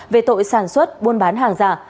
về tội sản xuất buôn bán hàng giả